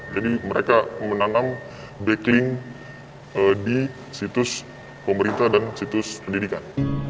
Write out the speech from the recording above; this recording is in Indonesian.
jadi mereka menanam backlink di situs pemerintah dan situs pendidikan